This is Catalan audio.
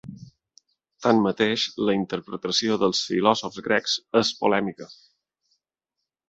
Tanmateix, la interpretació dels filòsofs grecs és polèmica.